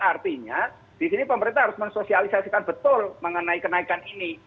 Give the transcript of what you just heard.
artinya di sini pemerintah harus mensosialisasikan betul mengenai kenaikan ini